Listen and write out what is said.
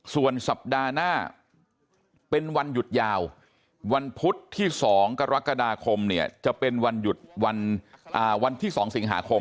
ส่วนสัปดาห์หน้าเป็นวันหยุดยาววันพุธที่๒กรกฎาคมเนี่ยจะเป็นวันหยุดวันที่๒สิงหาคม